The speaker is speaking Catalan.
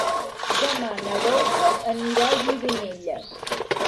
Demà na Dolça anirà a Gironella.